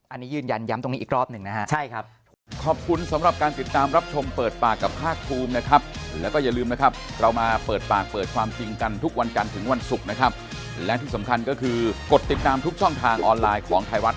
อันนี้ยืนยันย้ำตรงนี้อีกรอบหนึ่งนะฮะ